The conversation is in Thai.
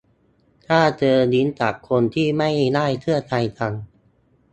ถ้าเจอลิงก์จากคนที่ไม่ได้เชื่อใจกัน